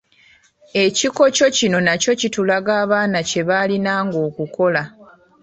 Ekikokyo kino nakyo kitulaga abaana kye baalinanga okukola.